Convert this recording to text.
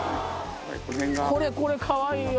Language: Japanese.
これこれかわいいよ。